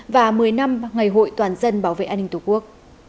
và một mươi năm ngày hội toàn dân bảo vệ an ninh tổ quốc